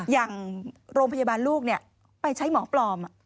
อย่างโรงพยาบาลลูกไปใช้หมอปลอม